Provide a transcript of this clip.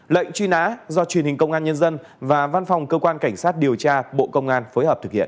lệnh truy nã do truyền hình công an nhân dân và văn phòng cơ quan cảnh sát điều tra bộ công an phối hợp thực hiện